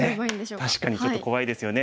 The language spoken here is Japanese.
確かにちょっと怖いですよね。